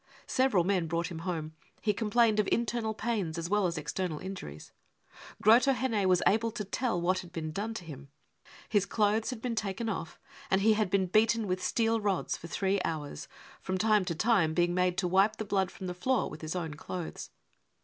Several men brought him home ; he complained of internal pain# as well as external injuries, Grotohenne was able to tell what had been done to him. His clothes had been taken off and he had been beaten with steel rods for three hours, from time to' time being made to wipe the blood from the floor with his own clothes.